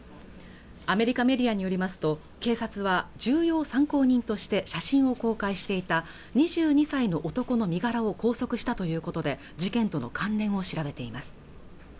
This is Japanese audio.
アメリカメディアによりますと警察は重要参考人として写真を公開していた２２歳の男の身柄を拘束したということで事件との関連を調べています